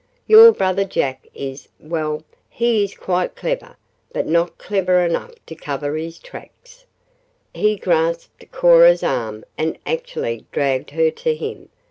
Your brother Jack is well, he is quite clever, but not clever enough to cover up his tracks." He grasped Cora's arm and actually dragged her to him.